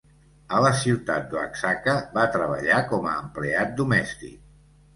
A la ciutat d'Oaxaca, va treballar com a empleat domèstic.